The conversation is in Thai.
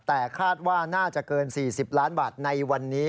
แต่คาดว่าน่าจะเกิน๔๐ล้านบาทในวันนี้